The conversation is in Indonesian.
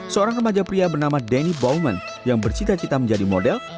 seorang remaja pria bernama denny bowman yang bercita cita menjadi model